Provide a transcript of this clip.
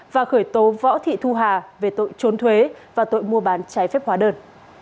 và khởi tố võ thị thu hà về tội trốn thuế và tội mua bán trái phép hóa đơn